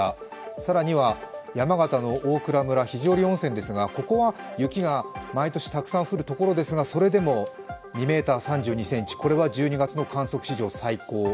更には山形の大蔵村、肘折温泉ですが、ここは雪が毎年たくさん降る所ですが、それでも２ｍ３２ｃｍ、これは１２月の観測史上最高。